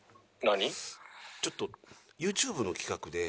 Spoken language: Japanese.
ちょっとＹｏｕＴｕｂｅの企画で。